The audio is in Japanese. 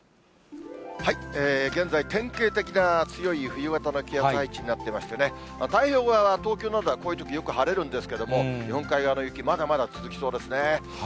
現在、典型的な強い冬型の気圧配置になっていましてね、太平洋側は東京などは、こういうときよく晴れるんですけれども、日本海側の雪、まだまだ続きそうですね。